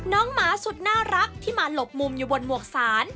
หมาสุดน่ารักที่มาหลบมุมอยู่บนหมวกศาล